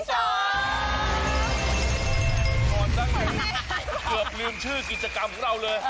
ตอนนั้นเกือบลืมชื่อกิจกรรมของเราเลย